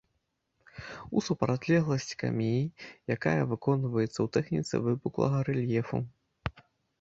У супрацьлегласць камеі, якая выконваецца ў тэхніцы выпуклага рэльефу.